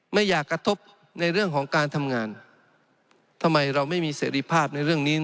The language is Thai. ไม่อยากกระทบในเรื่องของการทำงานทำไมเราไม่มีเสรีภาพในเรื่องนี้